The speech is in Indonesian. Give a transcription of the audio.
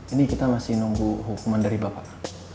ini kita masih nunggu hukuman dari bapak